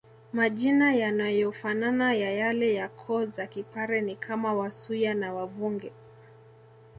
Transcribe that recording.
Majina yanayofanana ya yale ya koo za kipare ni kama Wasuya na Wavungi